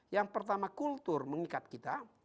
yang pertama kultur mengikat kita